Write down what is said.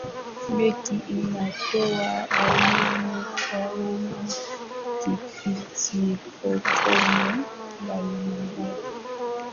benki inatoa elimu kwa umma kupitia programu mbalimbali